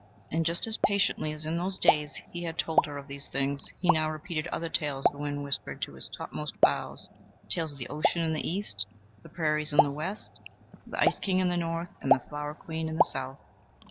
And, just as patiently as in those days he had told her of these things, he now repeated other tales the winds whispered to his topmost boughs, tales of the ocean in the East, the prairies in the West, the ice king in the North, and the flower queen in the South.